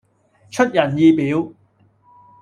出人意表